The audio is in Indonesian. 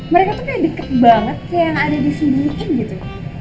mereka tuh kayak deket banget kayak gak ada disiniin gitu